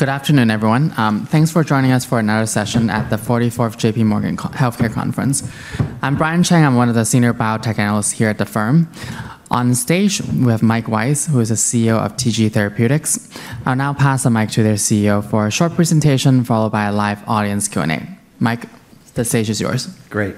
Good afternoon, everyone. Thanks for joining us for another session at the 44th J.P. Morgan Healthcare Conference. I'm Brian Cheng. I'm one of the senior biotech analysts here at the firm. On stage, we have Mike Weiss, who is the CEO of TG Therapeutics. I'll now pass the mic to their CEO for a short presentation, followed by a live audience Q&A. Mike, the stage is yours. Great.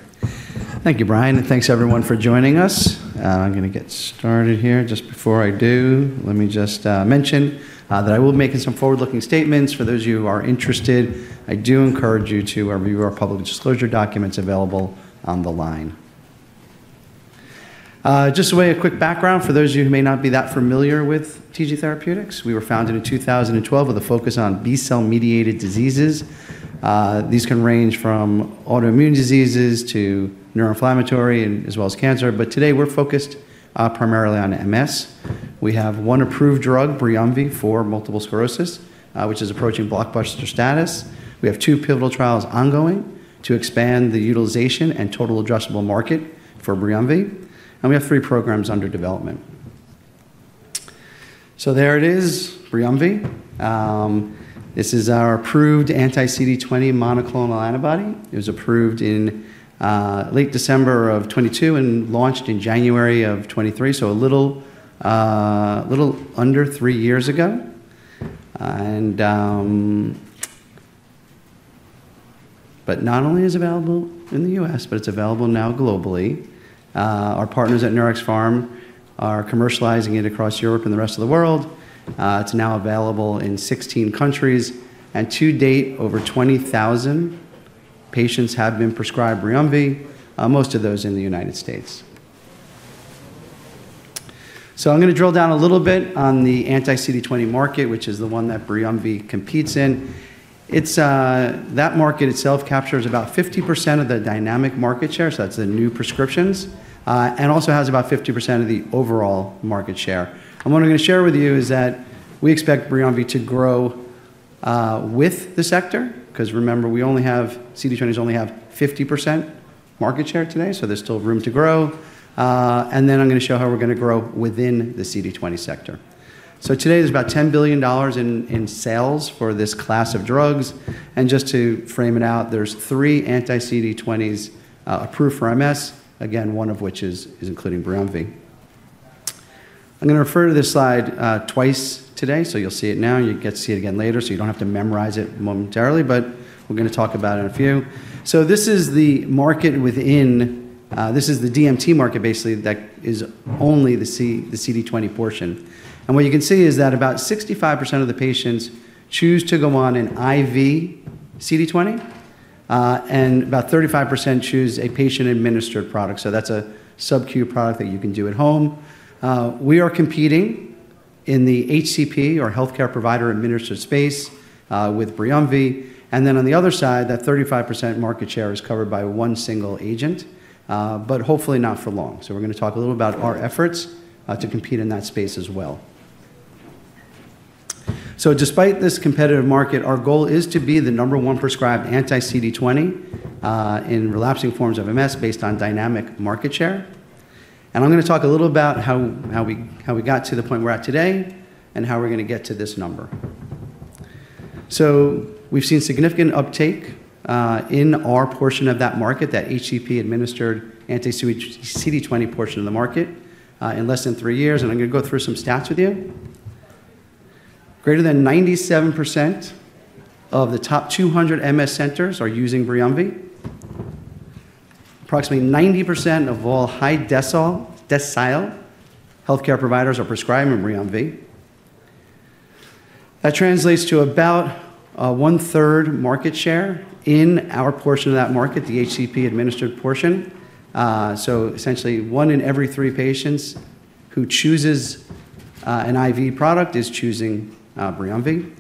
Thank you, Brian, and thanks, everyone, for joining us. I'm going to get started here. Just before I do, let me just mention that I will be making some forward-looking statements. For those of you who are interested, I do encourage you to review our public disclosure documents available on the line. Just a quick background for those of you who may not be that familiar with TG Therapeutics. We were founded in 2012 with a focus on B-cell mediated diseases. These can range from autoimmune diseases to neuroinflammatory, as well as cancer. But today, we're focused primarily on MS. We have one approved drug, Briumvi, for multiple sclerosis, which is approaching blockbuster status. We have two pivotal trials ongoing to expand the utilization and total addressable market for Briumvi, and we have three programs under development, so there it is, Briumvi. This is our approved anti-CD20 monoclonal antibody. It was approved in late December of 2022 and launched in January of 2023, so a little under three years ago, but not only is it available in the U.S., but it's available now globally. Our partners at Neuraxpharm are commercializing it across Europe and the rest of the world. It's now available in 16 countries, and to date, over 20,000 patients have been prescribed Briumvi, most of those in the United States, so I'm going to drill down a little bit on the anti-CD20 market, which is the one that Briumvi competes in. That market itself captures about 50% of the dynamic market share, so that's the new prescriptions, and also has about 50% of the overall market share. What I'm going to share with you is that we expect Briumvi to grow with the sector because, remember, CD20s only have 50% market share today, so there's still room to grow. Then I'm going to show how we're going to grow within the CD20 sector. Today, there's about $10 billion in sales for this class of drugs. Just to frame it out, there's three anti-CD20s approved for MS, again, one of which is Briumvi. I'm going to refer to this slide twice today, so you'll see it now, and you get to see it again later, so you don't have to memorize it momentarily, but we're going to talk about it in a few. This is the market. Within this is the DMT market, basically, that is only the CD20 portion. What you can see is that about 65% of the patients choose to go on an IV CD20, and about 35% choose a patient-administered product. So that's a subcu product that you can do at home. We are competing in the HCP, or healthcare provider-administered space, with Briumvi. And then on the other side, that 35% market share is covered by one single agent, but hopefully not for long. So we're going to talk a little about our efforts to compete in that space as well. So despite this competitive market, our goal is to be the number one prescribed anti-CD20 in relapsing forms of MS based on dynamic market share. And I'm going to talk a little about how we got to the point we're at today and how we're going to get to this number. We've seen significant uptake in our portion of that market, that HCP-administered anti-CD20 portion of the market, in less than three years. And I'm going to go through some stats with you. Greater than 97% of the top 200 MS centers are using Briumvi. Approximately 90% of all high-decile healthcare providers are prescribing Briumvi. That translates to about one-third market share in our portion of that market, the HCP-administered portion. So essentially, one in every three patients who chooses an IV product is choosing Briumvi.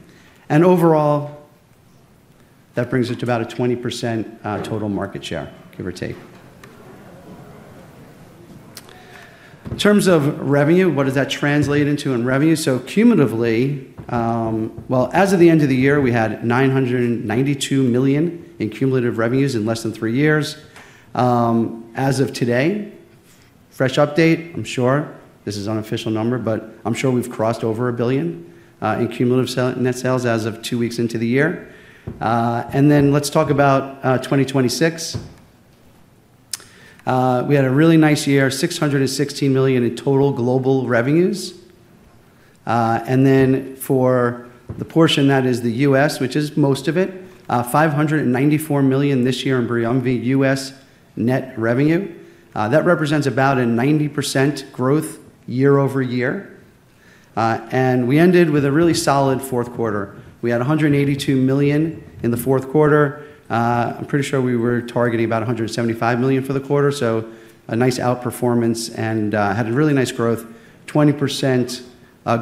And overall, that brings it to about a 20% total market share, give or take. In terms of revenue, what does that translate into in revenue? So cumulatively, well, as of the end of the year, we had $992 million in cumulative revenues in less than three years. As of today, fresh update, I'm sure this is an unofficial number, but I'm sure we've crossed over a billion in cumulative net sales as of two weeks into the year. And then let's talk about 2026. We had a really nice year, $616 million in total global revenues. And then for the portion that is the U.S., which is most of it, $594 million this year in Briumvi U.S. net revenue. That represents about a 90% growth year over year. And we ended with a really solid fourth quarter. We had $182 million in the fourth quarter. I'm pretty sure we were targeting about $175 million for the quarter, so a nice outperformance and had a really nice growth, 20%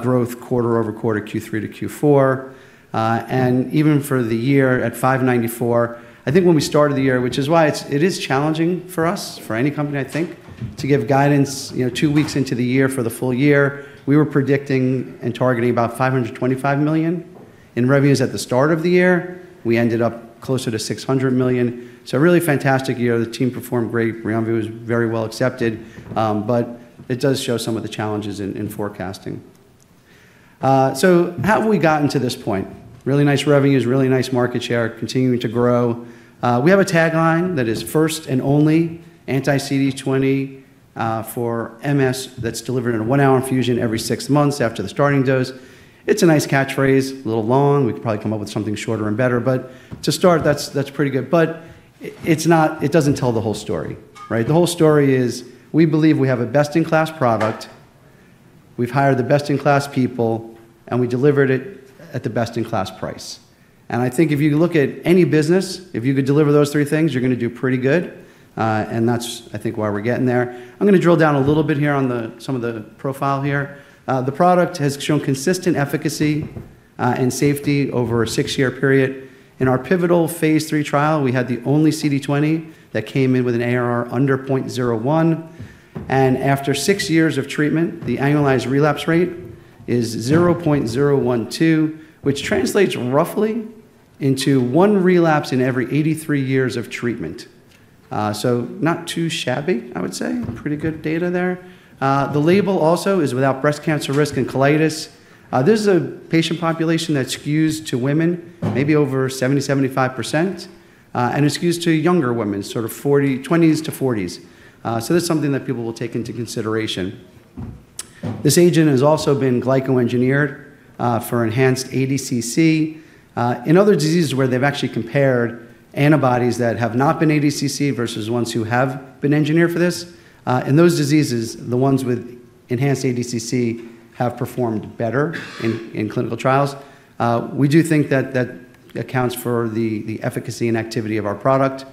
growth quarter over quarter, Q3 to Q4. Even for the year at $594 million, I think when we started the year, which is why it is challenging for us, for any company, I think, to give guidance two weeks into the year for the full year, we were predicting and targeting about $525 million in revenues at the start of the year. We ended up closer to $600 million. It was a really fantastic year. The team performed great. Briumvi was very well accepted. But it does show some of the challenges in forecasting. How have we gotten to this point? Really nice revenues, really nice market share, continuing to grow. We have a tagline that is, "First and only anti-CD20 for MS that's delivered in a one-hour infusion every six months after the starting dose." It's a nice catchphrase, a little long. We could probably come up with something shorter and better. But to start, that's pretty good. But it doesn't tell the whole story. The whole story is, we believe we have a best-in-class product. We've hired the best-in-class people, and we delivered it at the best-in-class price. And I think if you look at any business, if you could deliver those three things, you're going to do pretty good. And that's, I think, why we're getting there. I'm going to drill down a little bit here on some of the profile here. The product has shown consistent efficacy and safety over a six-year period. In our pivotal phase three trial, we had the only CD20 that came in with an ARR under 0.01. And after six years of treatment, the annualized relapse rate is 0.012, which translates roughly into one relapse in every 83 years of treatment. So not too shabby, I would say. Pretty good data there. The label also is without breast cancer risk and colitis. This is a patient population that skews to women, maybe over 70%, 75%, and it skews to younger women, sort of 20s to 40s. So that's something that people will take into consideration. This agent has also been glycoengineered for enhanced ADCC. In other diseases where they've actually compared antibodies that have not been ADCC versus ones who have been engineered for this, in those diseases, the ones with enhanced ADCC have performed better in clinical trials. We do think that that accounts for the efficacy and activity of our product.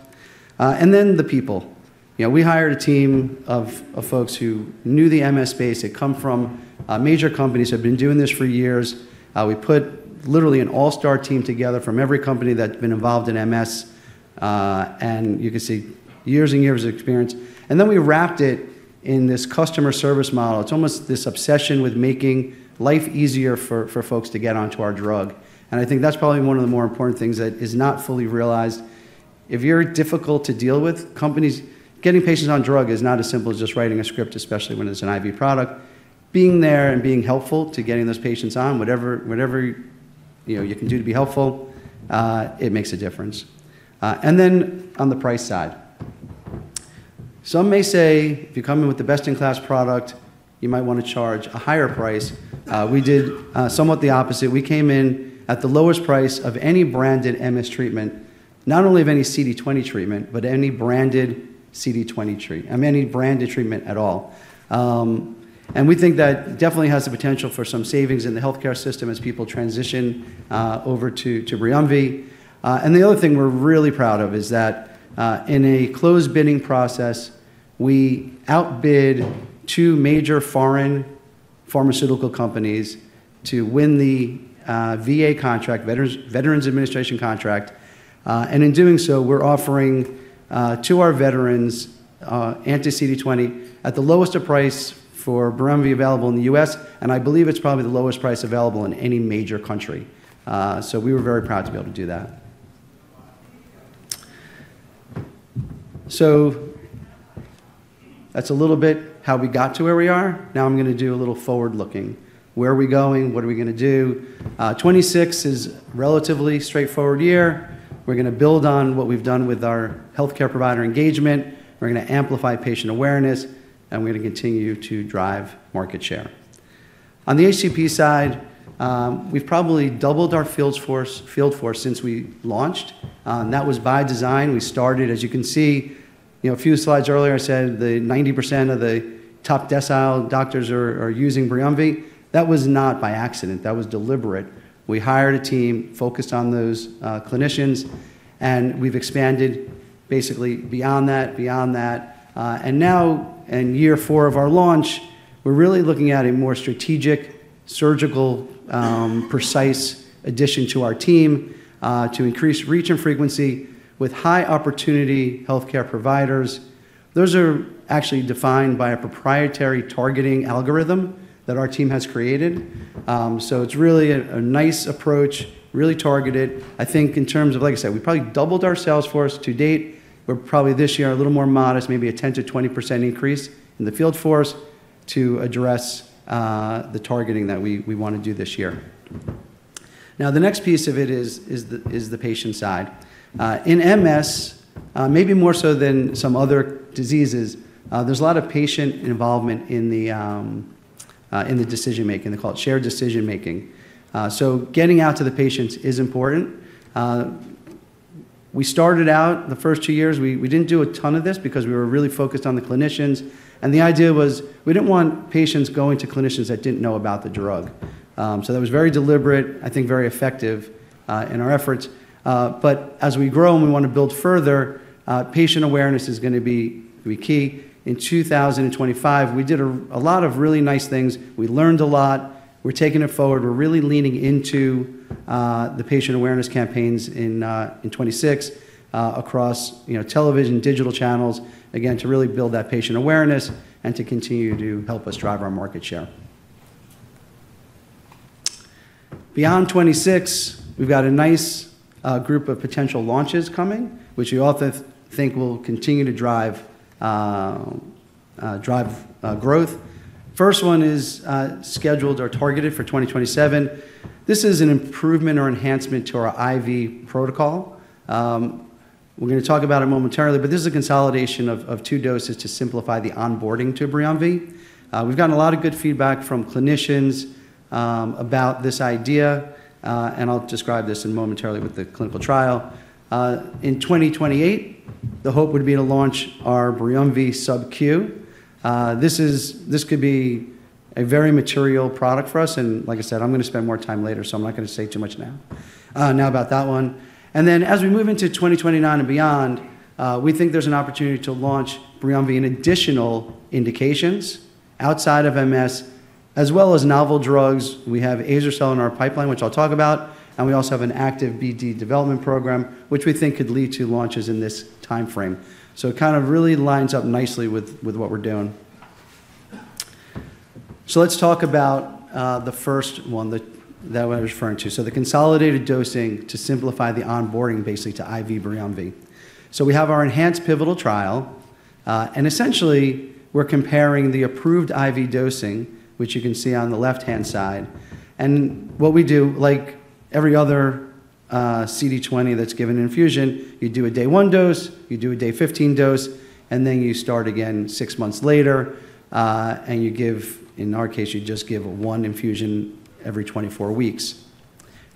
And then the people. We hired a team of folks who knew the MS space. They come from major companies who have been doing this for years. We put literally an all-star team together from every company that's been involved in MS. And you can see years and years of experience. And then we wrapped it in this customer service model. It's almost this obsession with making life easier for folks to get onto our drug. And I think that's probably one of the more important things that is not fully realized. If you're difficult to deal with, getting patients on drug is not as simple as just writing a script, especially when it's an IV product. Being there and being helpful to getting those patients on, whatever you can do to be helpful, it makes a difference. And then on the price side, some may say, if you come in with the best-in-class product, you might want to charge a higher price. We did somewhat the opposite. We came in at the lowest price of any branded MS treatment, not only of any CD20 treatment, but any branded CD20 treatment at all. And we think that definitely has the potential for some savings in the healthcare system as people transition over to Briumvi. And the other thing we're really proud of is that in a closed bidding process, we outbid two major foreign pharmaceutical companies to win the VA contract, Veterans Administration contract. And in doing so, we're offering to our veterans anti-CD20 at the lowest price for Briumvi available in the U.S. And I believe it's probably the lowest price available in any major country. So we were very proud to be able to do that. So that's a little bit how we got to where we are. Now I'm going to do a little forward-looking. Where are we going? What are we going to do? 2026 is a relatively straightforward year. We're going to build on what we've done with our healthcare provider engagement. We're going to amplify patient awareness, and we're going to continue to drive market share. On the HCP side, we've probably doubled our field force since we launched. That was by design. We started, as you can see, a few slides earlier. I said the 90% of the top decile doctors are using Briumvi. That was not by accident. That was deliberate. We hired a team focused on those clinicians, and we've expanded basically beyond that. And now, in year four of our launch, we're really looking at a more strategic, surgical, precise addition to our team to increase reach and frequency with high-opportunity healthcare providers. Those are actually defined by a proprietary targeting algorithm that our team has created. So it's really a nice approach, really targeted. I think in terms of, like I said, we probably doubled our sales force to date. We're probably this year a little more modest, maybe a 10%-20% increase in the field force to address the targeting that we want to do this year. Now, the next piece of it is the patient side. In MS, maybe more so than some other diseases, there's a lot of patient involvement in the decision-making. They call it shared decision-making, so getting out to the patients is important. We started out the first two years, we didn't do a ton of this because we were really focused on the clinicians, and the idea was we didn't want patients going to clinicians that didn't know about the drug, so that was very deliberate, I think very effective in our efforts. But as we grow and we want to build further, patient awareness is going to be key. In 2025, we did a lot of really nice things. We learned a lot. We're taking it forward. We're really leaning into the patient awareness campaigns in 2026 across television, digital channels, again, to really build that patient awareness and to continue to help us drive our market share. Beyond 2026, we've got a nice group of potential launches coming, which we often think will continue to drive growth. First one is scheduled or targeted for 2027. This is an improvement or enhancement to our IV protocol. We're going to talk about it momentarily, but this is a consolidation of two doses to simplify the onboarding to Briumvi. We've gotten a lot of good feedback from clinicians about this idea, and I'll describe this momentarily with the clinical trial. In 2028, the hope would be to launch our Briumvi subcu. This could be a very material product for us. And like I said, I'm going to spend more time later, so I'm not going to say too much now about that one. And then as we move into 2029 and beyond, we think there's an opportunity to launch Briumvi in additional indications outside of MS, as well as novel drugs. We have Azer-cel in our pipeline, which I'll talk about. And we also have an active BD development program, which we think could lead to launches in this timeframe. So it kind of really lines up nicely with what we're doing. So let's talk about the first one that I was referring to. So the consolidated dosing to simplify the onboarding basically to IV Briumvi. So we have our enhanced pivotal trial. Essentially, we're comparing the approved IV dosing, which you can see on the left-hand side. What we do, like every other CD20 that's given infusion, you do a day-one dose, you do a day-15 dose, and then you start again six months later. In our case, you just give one infusion every 24 weeks.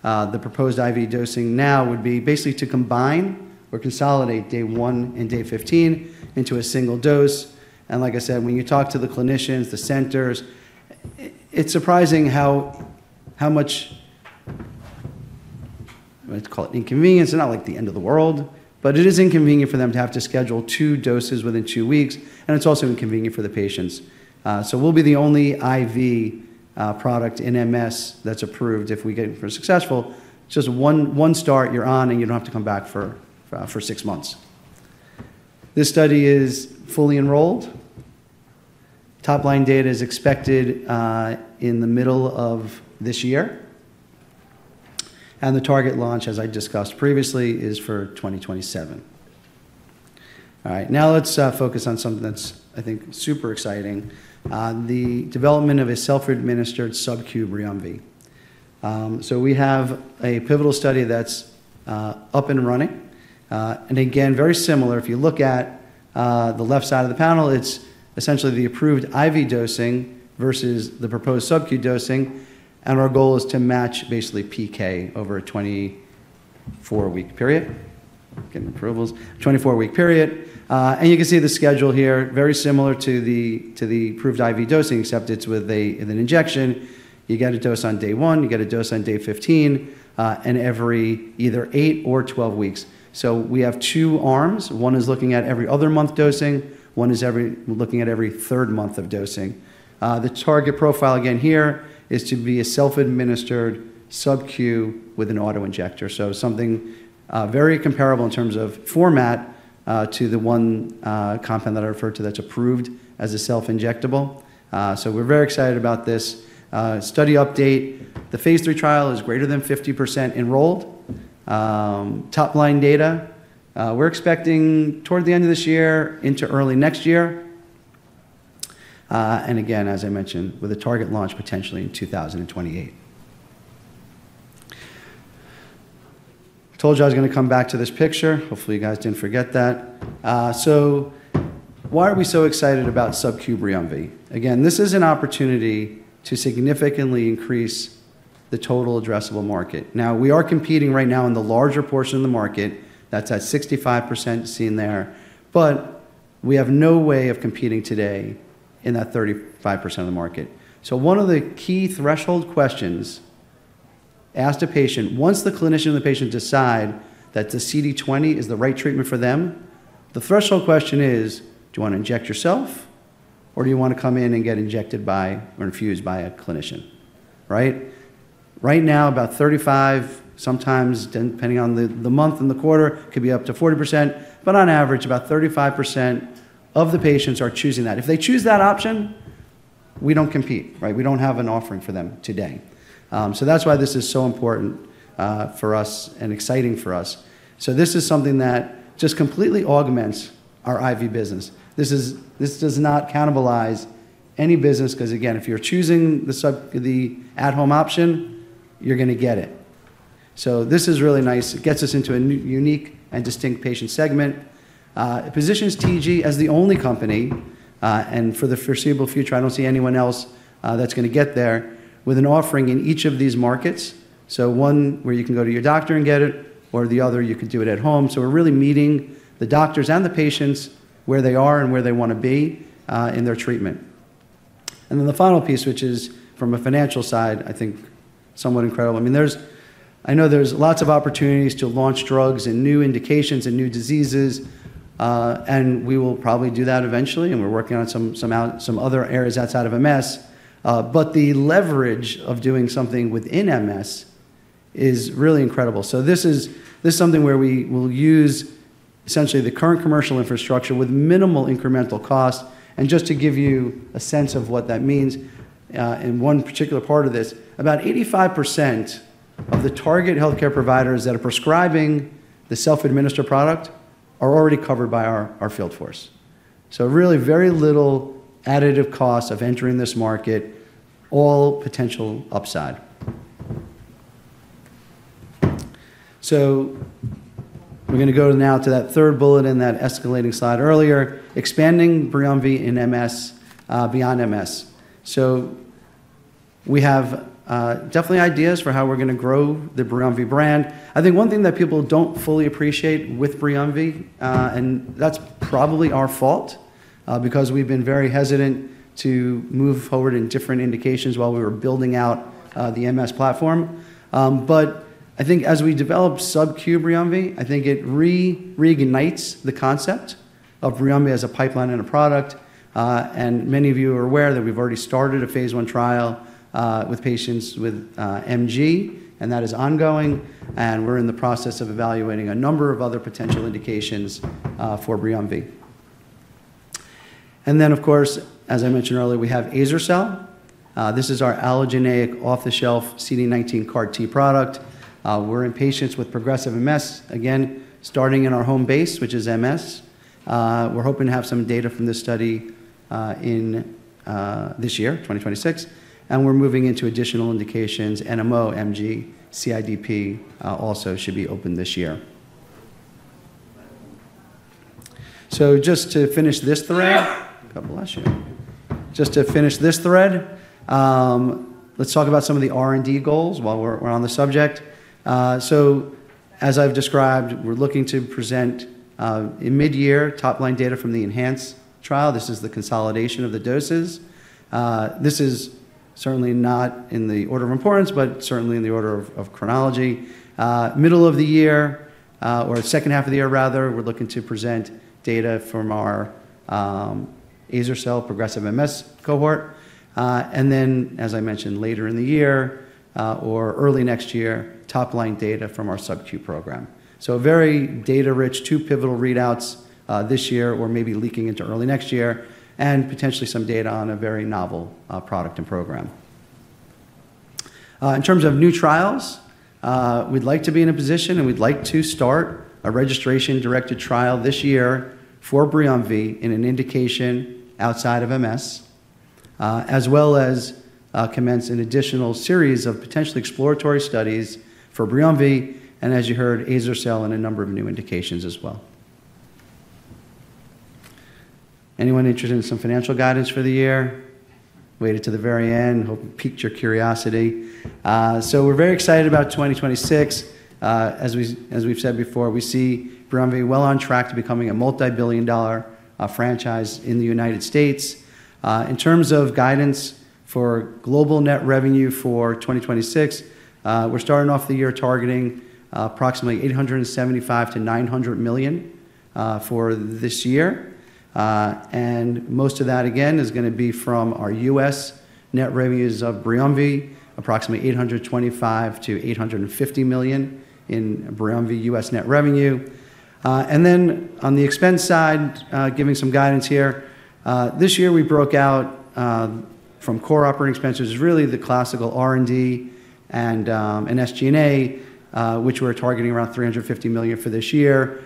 The proposed IV dosing now would be basically to combine or consolidate day-1 and day-15 into a single dose. Like I said, when you talk to the clinicians, the centers, it's surprising how much, let's call it, inconvenience. It's not like the end of the world, but it is inconvenient for them to have to schedule two doses within two weeks. It's also inconvenient for the patients. We'll be the only IV product in MS that's approved if we get it successful. It's just one start, you're on, and you don't have to come back for six months. This study is fully enrolled. Top-line data is expected in the middle of this year. And the target launch, as I discussed previously, is for 2027. All right. Now let's focus on something that's, I think, super exciting, the development of a self-administered subcu Briumvi. So we have a pivotal study that's up and running. And again, very similar. If you look at the left side of the panel, it's essentially the approved IV dosing versus the proposed subcu dosing. And our goal is to match basically PK over a 24-week period. Getting approvals. 24-week period. And you can see the schedule here, very similar to the approved IV dosing, except it's with an injection. You get a dose on day-1. You get a dose on day-15, and every either 8 or 12 weeks. So we have two arms. One is looking at every other month dosing. One is looking at every third month of dosing. The target profile, again, here is to be a self-administered subcu with an autoinjector. So something very comparable in terms of format to the one compound that I referred to that's approved as a self-injectable. So we're very excited about this. Study update. The phase three trial is greater than 50% enrolled. Top-line data. We're expecting toward the end of this year, into early next year. And again, as I mentioned, with a target launch potentially in 2028. I told you I was going to come back to this picture. Hopefully, you guys didn't forget that. So why are we so excited about subcu Briumvi? Again, this is an opportunity to significantly increase the total addressable market. Now, we are competing right now in the larger portion of the market. That's at 65% seen there. But we have no way of competing today in that 35% of the market. So one of the key threshold questions asked a patient, once the clinician and the patient decide that the CD20 is the right treatment for them, the threshold question is, do you want to inject yourself, or do you want to come in and get injected by or infused by a clinician? Right now, about 35%, sometimes depending on the month and the quarter, could be up to 40%. But on average, about 35% of the patients are choosing that. If they choose that option, we don't compete. We don't have an offering for them today. So that's why this is so important for us and exciting for us. So this is something that just completely augments our IV business. This does not cannibalize any business because, again, if you're choosing the at-home option, you're going to get it. So this is really nice. It gets us into a unique and distinct patient segment. It positions TG as the only company. And for the foreseeable future, I don't see anyone else that's going to get there with an offering in each of these markets. So one where you can go to your doctor and get it, or the other you could do it at home. So we're really meeting the doctors and the patients where they are and where they want to be in their treatment. And then the final piece, which is from a financial side, I think somewhat incredible. I mean, I know there's lots of opportunities to launch drugs and new indications and new diseases. We will probably do that eventually. We're working on some other areas outside of MS. The leverage of doing something within MS is really incredible. This is something where we will use essentially the current commercial infrastructure with minimal incremental cost. Just to give you a sense of what that means in one particular part of this, about 85% of the target healthcare providers that are prescribing the self-administered product are already covered by our field force. Really very little additive cost of entering this market, all potential upside. We're going to go now to that third bullet in that escalating slide earlier, expanding Briumvi in MS beyond MS. We have definitely ideas for how we're going to grow the Briumvi brand. I think one thing that people don't fully appreciate with Briumvi, and that's probably our fault because we've been very hesitant to move forward in different indications while we were building out the MS platform. But I think as we develop subcu Briumvi, I think it reignites the concept of Briumvi as a pipeline and a product. And many of you are aware that we've already started a phase one trial with patients with MG, and that is ongoing. And we're in the process of evaluating a number of other potential indications for Briumvi. And then, of course, as I mentioned earlier, we have Azer-cel. This is our allogeneic off-the-shelf CD19 CAR-T product. We're in patients with progressive MS, again, starting in our home base, which is MS. We're hoping to have some data from this study in this year, 2026. We're moving into additional indications, NMO, MG, CIDP also should be open this year. Just to finish this thread, let's talk about some of the R&D goals while we're on the subject. As I've described, we're looking to present mid-year top-line data from the enhanced trial. This is the consolidation of the doses. This is certainly not in the order of importance, but certainly in the order of chronology. Middle of the year, or second half of the year, rather, we're looking to present data from our Azer-cel progressive MS cohort. And then, as I mentioned, later in the year or early next year, top-line data from our subcu program. Very data-rich, two pivotal readouts this year or maybe leaking into early next year, and potentially some data on a very novel product and program. In terms of new trials, we'd like to be in a position, and we'd like to start a registration-directed trial this year for Briumvi in an indication outside of MS, as well as commence an additional series of potentially exploratory studies for Briumvi, and as you heard, Azer-cel and a number of new indications as well. Anyone interested in some financial guidance for the year? Waited to the very end. Hope it piqued your curiosity. So we're very excited about 2026. As we've said before, we see Briumvi well on track to becoming a multi-billion-dollar franchise in the United States. In terms of guidance for global net revenue for 2026, we're starting off the year targeting approximately $875 million-$900 million for this year. And most of that, again, is going to be from our U.S. net revenues of Briumvi, approximately $825 million-$850 million in Briumvi U.S. net revenue. And then on the expense side, giving some guidance here, this year we broke out from core operating expenses, really the classical R&D and SG&A, which we're targeting around $350 million for this year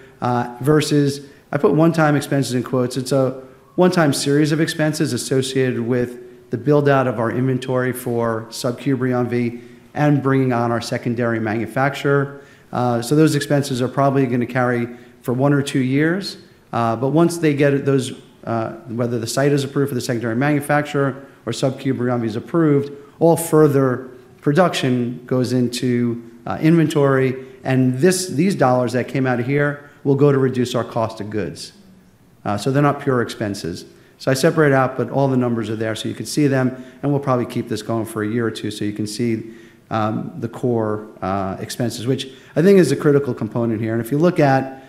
versus. I put one-time expenses in quotes. It's a one-time series of expenses associated with the build-out of our inventory for subcu Briumvi and bringing on our secondary manufacturer. So those expenses are probably going to carry for one or two years. But once they get those, whether the site is approved for the secondary manufacturer or subcu Briumvi is approved, all further production goes into inventory. And these dollars that came out of here will go to reduce our cost of goods. So they're not pure expenses. So I separate out, but all the numbers are there so you can see them. And we'll probably keep this going for a year or two so you can see the core expenses, which I think is a critical component here. And if you look at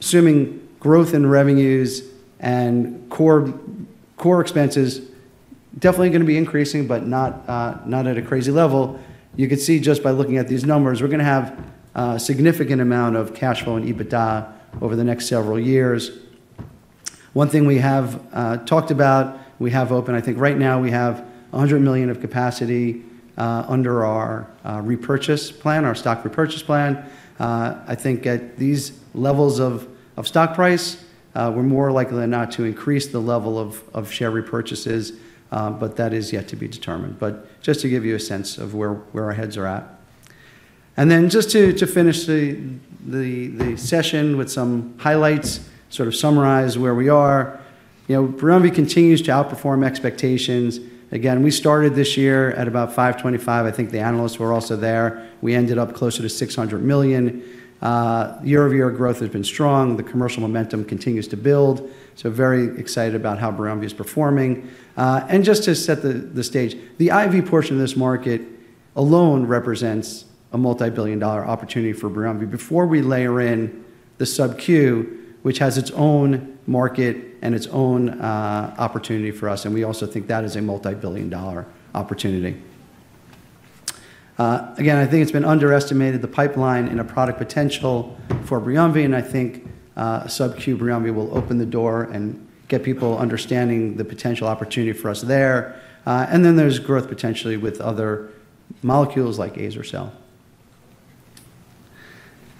assuming growth in revenues and core expenses, definitely going to be increasing, but not at a crazy level. You can see just by looking at these numbers, we're going to have a significant amount of cash flow and EBITDA over the next several years. One thing we have talked about, we have open, I think right now we have $100 million of capacity under our repurchase plan, our stock repurchase plan. I think at these levels of stock price, we're more likely than not to increase the level of share repurchases, but that is yet to be determined. Just to give you a sense of where our heads are at. And then just to finish the session with some highlights, sort of summarize where we are. Briumvi continues to outperform expectations. Again, we started this year at about $525 million. I think the analysts were also there. We ended up closer to $600 million. Year-over-year growth has been strong. The commercial momentum continues to build. So very excited about how Briumvi is performing. And just to set the stage, the IV portion of this market alone represents a multi-billion-dollar opportunity for Briumvi before we layer in the subcu, which has its own market and its own opportunity for us. And we also think that is a multi-billion-dollar opportunity. Again, I think it's been underestimated, the pipeline and a product potential for Briumvi. And I think subcu Briumvi will open the door and get people understanding the potential opportunity for us there. And then there's growth potentially with other molecules like Azer-cel.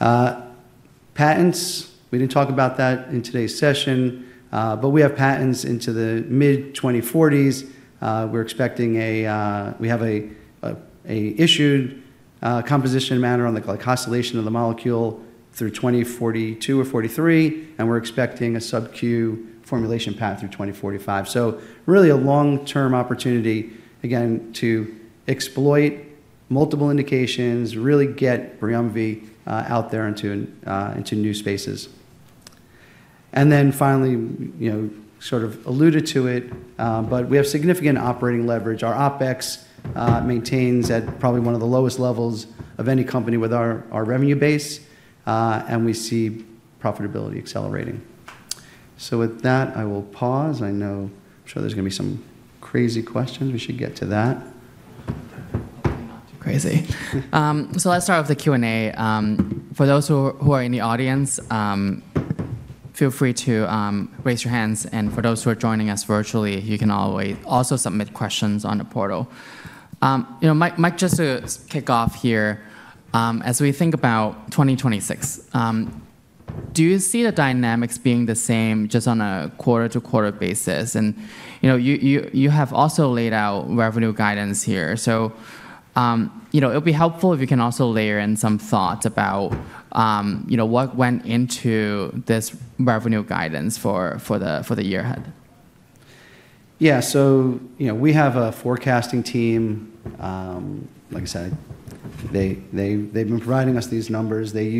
Patents. We didn't talk about that in today's session, but we have patents into the mid-2040s. We have an issued composition of matter on the glycosylation of the molecule through 2042 or 2043. And we're expecting a subcu formulation patent through 2045. So really a long-term opportunity, again, to exploit multiple indications, really get Briumvi out there into new spaces. And then finally, sort of alluded to it, but we have significant operating leverage. Our OpEx maintains at probably one of the lowest levels of any company with our revenue base. And we see profitability accelerating. So with that, I will pause. I know I'm sure there's going to be some crazy questions. We should get to that. Crazy. So let's start with the Q&A. For those who are in the audience, feel free to raise your hands. And for those who are joining us virtually, you can also submit questions on the portal. Mike, just to kick off here, as we think about 2026, do you see the dynamics being the same just on a quarter-to-quarter basis? And you have also laid out revenue guidance here. So it would be helpful if you can also layer in some thoughts about what went into this revenue guidance for the year ahead. Yeah. So we have a forecasting team. Like I said, they've been providing us these numbers. They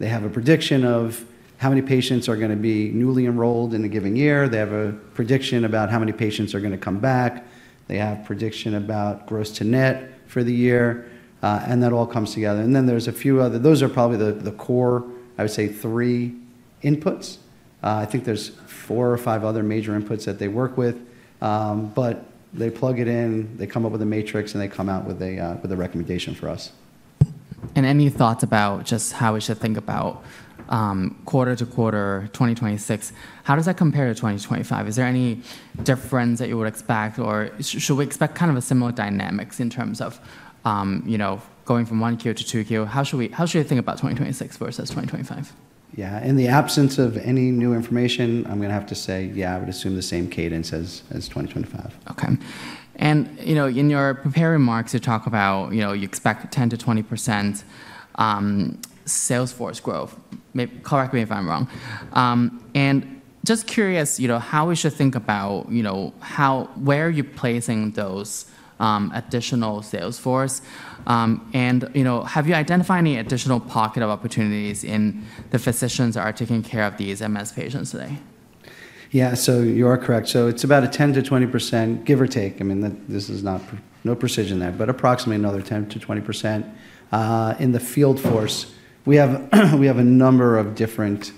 have a prediction of how many patients are going to be newly enrolled in a given year. They have a prediction about how many patients are going to come back. They have prediction about gross to net for the year. And that all comes together. And then there's a few other. Those are probably the core, I would say, three inputs. I think there's four or five other major inputs that they work with. But they plug it in, they come up with a matrix, and they come out with a recommendation for us. And any thoughts about just how we should think about quarter-to-quarter 2026? How does that compare to 2025? Is there any difference that you would expect, or should we expect kind of a similar dynamics in terms of going from one Q to two Q? How should we think about 2026 versus 2025? Yeah. In the absence of any new information, I'm going to have to say, yeah, I would assume the same cadence as 2025. Okay. And in your prepared remarks, you talk about you expect 10%-20% sales force growth. Correct me if I'm wrong. And just curious how we should think about where you're placing those additional sales force. And have you identified any additional pocket of opportunities in the physicians that are taking care of these MS patients today? Yeah. So you are correct. So it's about a 10%-20%, give or take. I mean, this is no precision there, but approximately another 10%-20%. In the field force, we have a number of different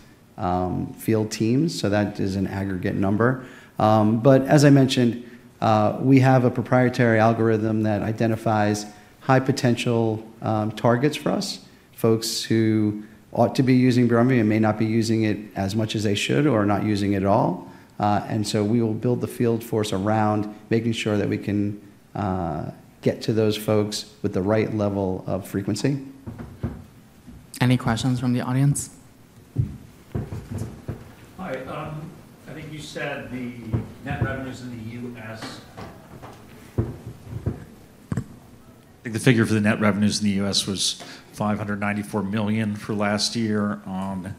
field teams. So that is an aggregate number. But as I mentioned, we have a proprietary algorithm that identifies high potential targets for us, folks who ought to be using Briumvi and may not be using it as much as they should or not using it at all. And so we will build the field force around making sure that we can get to those folks with the right level of frequency. Any questions from the audience? Hi. I think you said the net revenues in the US. I think the figure for the net revenues in the US was $594 million for last year on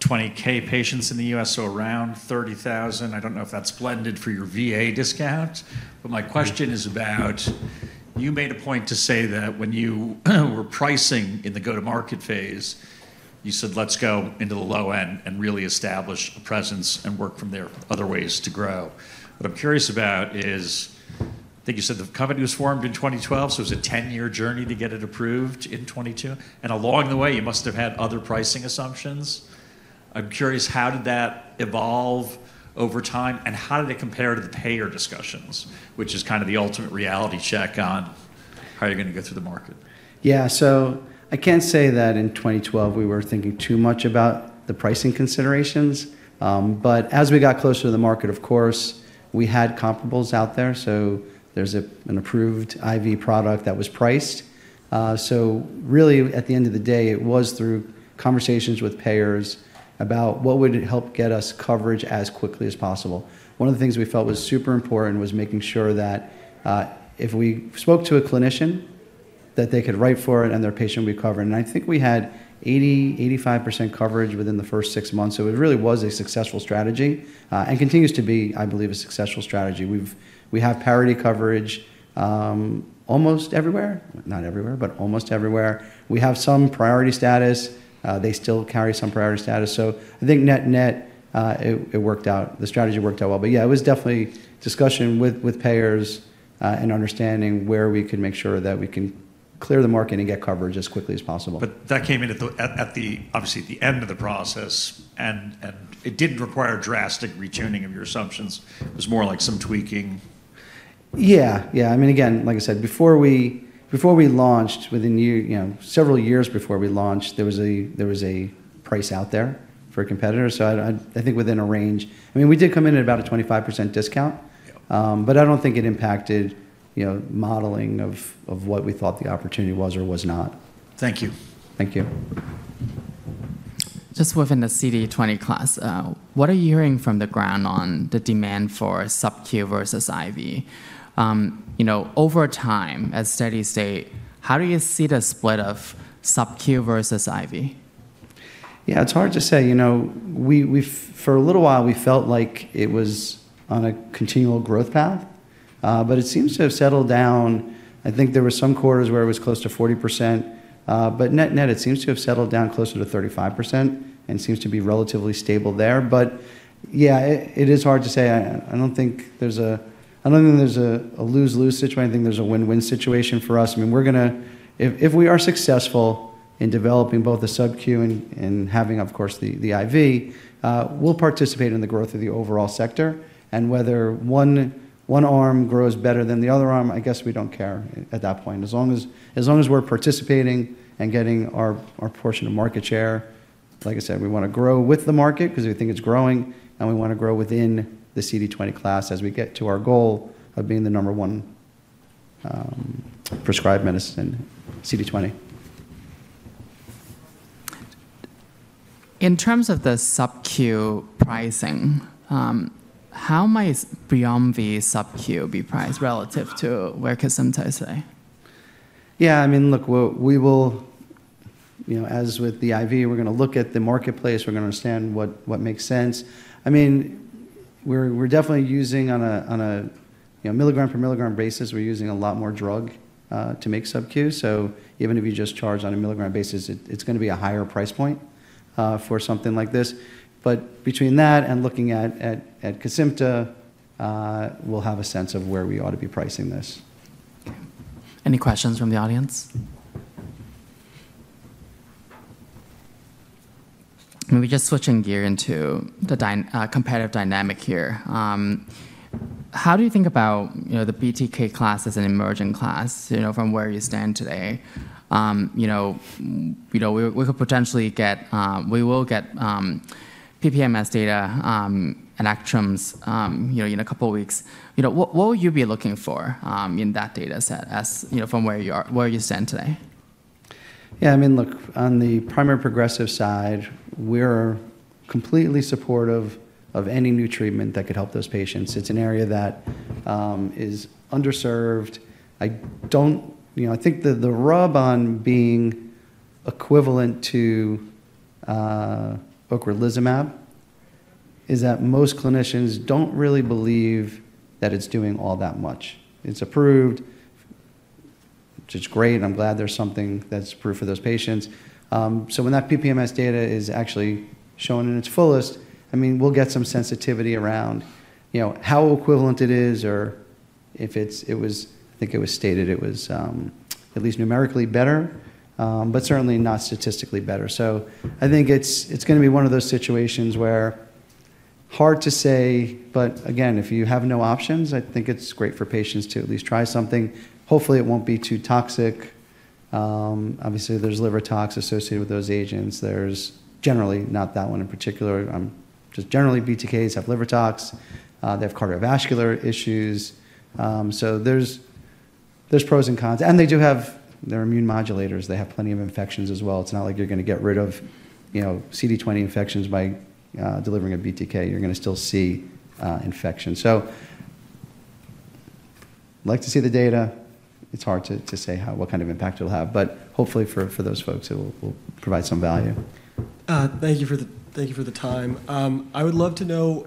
20,000 patients in the US, so around 30,000. I don't know if that's blended for your VA discount. But my question is about you made a point to say that when you were pricing in the go-to-market phase, you said, "Let's go into the low end and really establish a presence and work from there, other ways to grow." What I'm curious about is, I think you said the company was formed in 2012, so it was a 10-year journey to get it approved in 2022. And along the way, you must have had other pricing assumptions. I'm curious, how did that evolve over time? How did it compare to the payer discussions, which is kind of the ultimate reality check on how you're going to go through the market? Yeah. I can't say that in 2012 we were thinking too much about the pricing considerations. As we got closer to the market, of course, we had comparables out there. There's an approved IV product that was priced. Really, at the end of the day, it was through conversations with payers about what would help get us coverage as quickly as possible. One of the things we felt was super important was making sure that if we spoke to a clinician, that they could write for it and their patient would be covered. I think we had 80%-85% coverage within the first six months. It really was a successful strategy and continues to be, I believe, a successful strategy. We have parity coverage almost everywhere, not everywhere, but almost everywhere. We have some priority status. They still carry some priority status. So I think net-net, the strategy worked out well. But yeah, it was definitely discussion with payers and understanding where we could make sure that we can clear the market and get coverage as quickly as possible. But that came in at, obviously, the end of the process, and it didn't require drastic re-tuning of your assumptions. It was more like some tweaking. Yeah. Yeah. I mean, again, like I said, before we launched, within several years before we launched, there was a price out there for a competitor. So I think within a range. I mean, we did come in at about a 25% discount. But I don't think it impacted modeling of what we thought the opportunity was or was not. Thank you. Thank you. Just within the CD20 class, what are you hearing from the ground on the demand for subcu versus IV? Over time, as studies say, how do you see the split of subcu versus IV? Yeah. It's hard to say. For a little while, we felt like it was on a continual growth path. But it seems to have settled down. I think there were some quarters where it was close to 40%. But net-net, it seems to have settled down closer to 35% and seems to be relatively stable there. But yeah, it is hard to say. I don't think there's a lose-lose situation. I think there's a win-win situation for us. I mean, if we are successful in developing both the subcu and having, of course, the IV, we'll participate in the growth of the overall sector. And whether one arm grows better than the other arm, I guess we don't care at that point. As long as we're participating and getting our portion of market share, like I said, we want to grow with the market because we think it's growing. And we want to grow within the CD20 class as we get to our goal of being the number one prescribed medicine, CD20. In terms of the subcu pricing, how might Briumvi subcu be priced relative to what some studies say? Yeah. I mean, look, as with the IV, we're going to look at the marketplace. We're going to understand what makes sense. I mean, we're definitely using on a milligram-per-milligram basis, we're using a lot more drug to make subcu. So even if you just charge on a milligram basis, it's going to be a higher price point for something like this, but between that and looking at Kesimpta, we'll have a sense of where we ought to be pricing this. Any questions from the audience? Maybe just switching gear into the competitive dynamic here. How do you think about the BTK class as an emerging class from where you stand today? We will get PPMS data and RMS in a couple of weeks. What will you be looking for in that data set from where you stand today? Yeah. I mean, look, on the primary progressive side, we're completely supportive of any new treatment that could help those patients. It's an area that is underserved. I think the rub on being equivalent to ocrelizumab is that most clinicians don't really believe that it's doing all that much. It's approved. It's great. I'm glad there's something that's approved for those patients. So when that PPMS data is actually shown in its fullest, I mean, we'll get some sensitivity around how equivalent it is or if it was, I think it was stated, it was at least numerically better, but certainly not statistically better. So I think it's going to be one of those situations where hard to say. But again, if you have no options, I think it's great for patients to at least try something. Hopefully, it won't be too toxic. Obviously, there's liver tox associated with those agents. There's generally not that one in particular. Just generally, BTKs have liver tox. They have cardiovascular issues. So there's pros and cons. And they do have their immune modulators. They have plenty of infections as well. It's not like you're going to get rid of CD20 infections by delivering a BTK. You're going to still see infection. So I'd like to see the data. It's hard to say what kind of impact it'll have. But hopefully, for those folks, it will provide some value. Thank you for the time. I would love to know,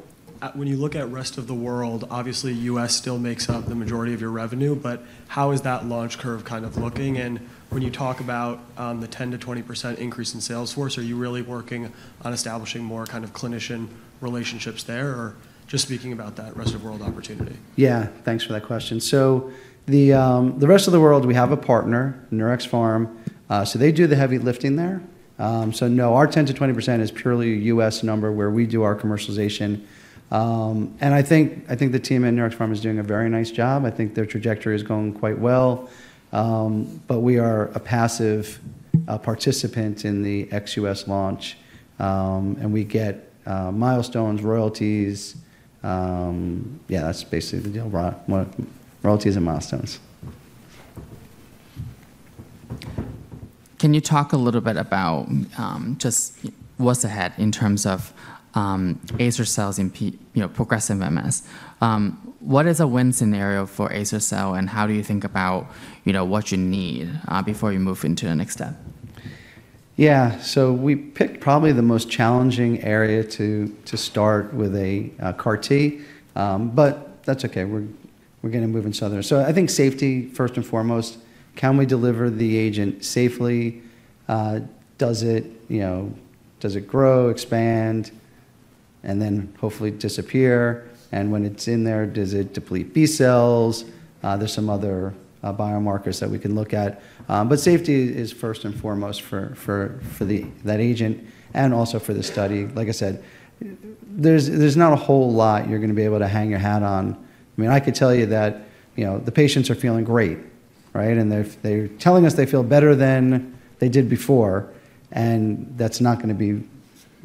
when you look at rest of the world, obviously, U.S. still makes up the majority of your revenue. But how is that launch curve kind of looking? And when you talk about the 10%-20% increase in sales force, are you really working on establishing more kind of clinician relationships there or just speaking about that rest of world opportunity? Yeah. Thanks for that question. So the rest of the world, we have a partner, Neuraxpharm. They do the heavy lifting there. No, our 10%-20% is purely a US number where we do our commercialization. And I think the team at Neuraxpharm is doing a very nice job. I think their trajectory is going quite well. But we are a passive participant in the ex-US launch. And we get milestones, royalties. Yeah, that's basically the deal. Royalties and milestones. Can you talk a little bit about just what's ahead in terms of Azer-cel's progressive MS? What is a win scenario for Azer-cel? And how do you think about what you need before you move into the next step? Yeah. We picked probably the most challenging area to start with a CAR-T. But that's okay. We're going to move in SPMS. I think safety, first and foremost. Can we deliver the agent safely? Does it grow, expand, and then hopefully disappear? And when it's in there, does it deplete B cells? There's some other biomarkers that we can look at. But safety is first and foremost for that agent and also for the study. Like I said, there's not a whole lot you're going to be able to hang your hat on. I mean, I could tell you that the patients are feeling great, right? And they're telling us they feel better than they did before. And that's not going to be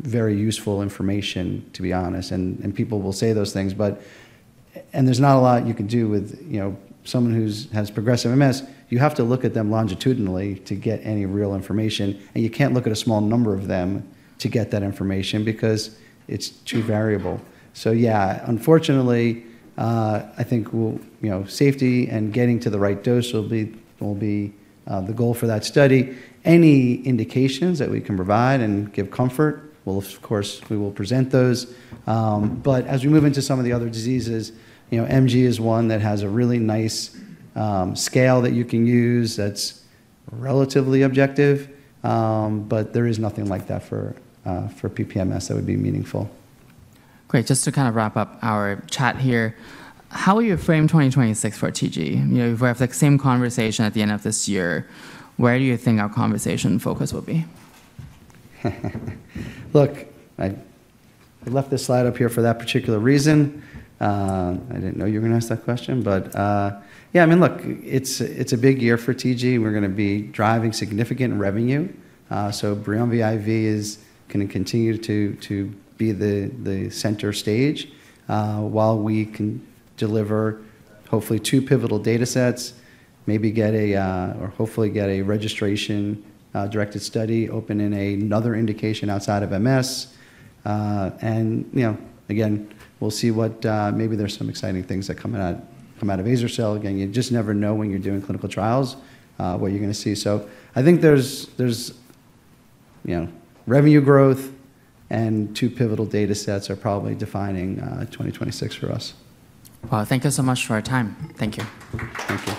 very useful information, to be honest. And people will say those things. And there's not a lot you can do with someone who has progressive MS. You have to look at them longitudinally to get any real information. And you can't look at a small number of them to get that information because it's too variable. So yeah, unfortunately, I think safety and getting to the right dose will be the goal for that study. Any indications that we can provide and give comfort, of course, we will present those. But as we move into some of the other diseases, MG is one that has a really nice scale that you can use that's relatively objective. But there is nothing like that for PPMS that would be meaningful. Great. Just to kind of wrap up our chat here, how will you frame 2026 for TG? If we have the same conversation at the end of this year, where do you think our conversation focus will be? Look, I left this slide up here for that particular reason. I didn't know you were going to ask that question. But yeah, I mean, look, it's a big year for TG. We're going to be driving significant revenue. So Briumvi IV is going to continue to be the center stage while we can deliver hopefully two pivotal data sets, maybe get a, or hopefully get a registration-directed study open in another indication outside of MS. And again, we'll see what, maybe there's some exciting things that come out of Azer-cel. Again, you just never know when you're doing clinical trials what you're going to see. So I think there's revenue growth and two pivotal data sets are probably defining 2026 for us. Well, thank you so much for your time. Thank you. Thank you.